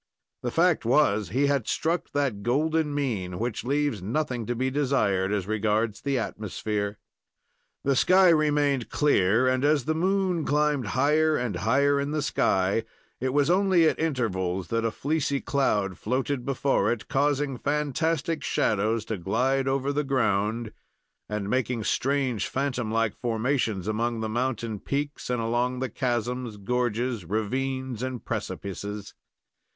The fact was, he had struck that golden mean which leaves nothing to be desired as regards the atmosphere. The sky remained clear, and, as the moon climbed higher and higher in the sky, it was only at intervals that a fleecy cloud floated before it, causing fantastic shadows to glide over the ground, and making strange phantom like formations among the mountain peaks and along the chasms, gorges, ravines, and precipices.